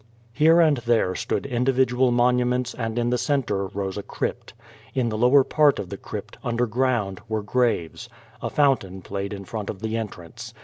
Here and there stood individual monuments and in the cen tre rose a crypt. In the lower part of the crypt, underground, were graves. A fountain played in front of the entrance.